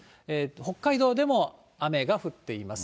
北海道でも雨が降っています。